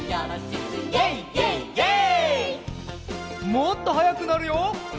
もっとはやくなるよ。